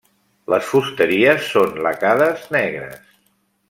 Les fusteries són lacades negres.